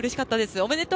おめでとう！